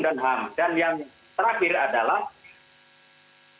dan ham dan yang terakhir adalah